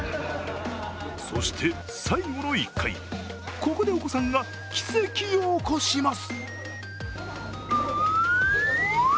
そして最後の１回、ここでお子さんが奇跡を起こします。